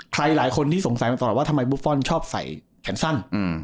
หลายคนที่สงสัยมาตลอดว่าทำไมบุฟฟอลชอบใส่แขนสั้น